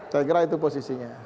saya kira itu posisinya